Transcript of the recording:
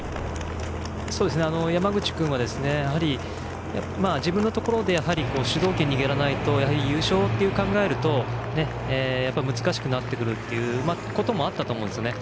山口君は自分のところで主導権を握らないと優勝と考えると難しくなってくるということもあったと思うんですね。